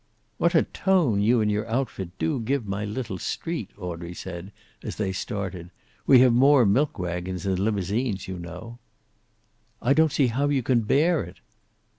"What a tone you and your outfit do give my little street," Audrey said, as they started. "We have more milk wagons than limousines, you know." "I don't see how you can bear it."